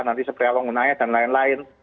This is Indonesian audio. nanti seberi alang gunanya dan lain lain